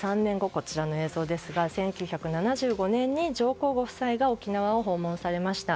こちらの映像ですが１９７５年に上皇ご夫妻が沖縄を訪問されました。